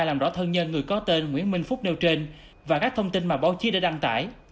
làm rõ thân nhân người có tên nguyễn minh phúc nêu trên và các thông tin mà báo chí đã đăng tải